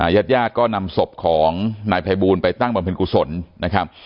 ยัดยาดก็นำศพของนายไพบูลไปตั้งบรรพินกุศลนะครับ